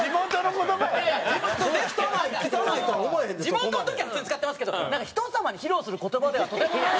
地元の時は普通に使ってますけどなんか人様に披露する言葉ではとてもない。